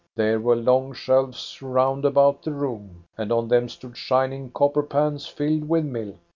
There were long shelves round about the room, and on them stood shining copper pans filled with milk.